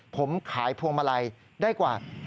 ผมขายพวงมาลัยได้กว่า๑๐๐๐บาท